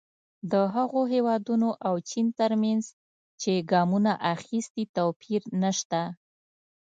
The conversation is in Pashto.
د هغو هېوادونو او چین ترمنځ چې ګامونه اخیستي توپیر نه شته.